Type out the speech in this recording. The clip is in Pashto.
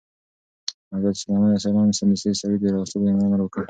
حضرت سلیمان علیه السلام سمدستي د سړي د راوستلو امر وکړ.